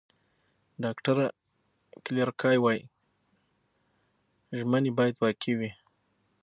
ډاکټره کلیر کای وايي، ژمنې باید واقعي وي.